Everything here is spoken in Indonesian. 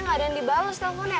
gak ada yang dibalut teleponnya